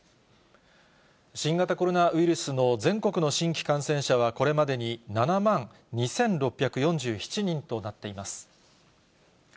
新型コロナウイルスの全国の新規感染者は、これまでに７万２６４７人となっています。